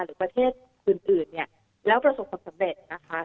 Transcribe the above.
หรือประเทศอื่นเนี่ยแล้วประสบความสำเร็จนะคะ